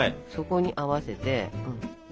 そこに合わせて。